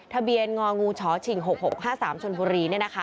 ทะเบียนงงฉฉ๖๖๕๓ชนภุรี